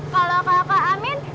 kalau kakak amin